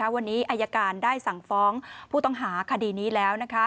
วันนี้อายการได้สั่งฟ้องผู้ต้องหาคดีนี้แล้ว